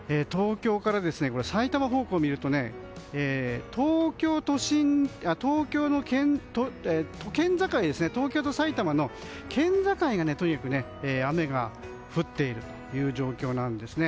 埼玉から東京方向を見ると東京と埼玉の県境でとにかく雨が降っているという状況なんですね。